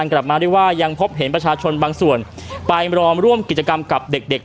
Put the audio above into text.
กลับมาได้ว่ายังพบเห็นประชาชนบางส่วนไปรอร่วมกิจกรรมกับเด็กเด็ก